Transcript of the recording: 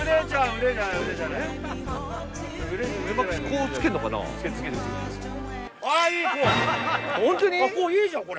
コウいいじゃん